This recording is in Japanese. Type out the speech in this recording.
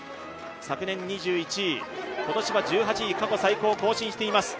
昨年２１位、今年は１８位、過去最高を更新しています。